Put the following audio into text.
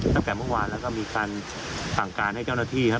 ตั้งแต่เมื่อวานแล้วก็มีการสั่งการให้เจ้าหน้าที่ครับ